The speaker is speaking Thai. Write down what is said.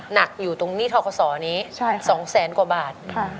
หนักอยู่ตรงหนี้ทกศนี้๒แสนกว่าบาท